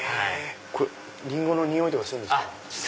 リンゴの匂いとかするんですか？